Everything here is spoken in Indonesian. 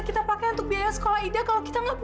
happy happy dong baby ya oke deh aku tunggu ya bye